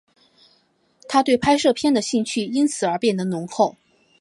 他对拍摄影片的兴趣因此而变得浓厚。